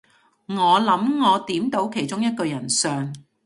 我諗我點到其中一個人相